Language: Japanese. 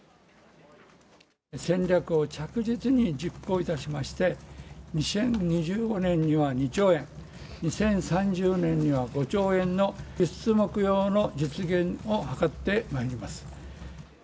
戦略を着実に実行いたしまして、２０２５年には２兆円、２０３０年には５兆円の輸出目標の実現を図ってまいります。